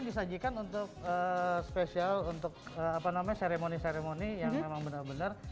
disajikan untuk spesial untuk seremoni seremoni yang memang benar benar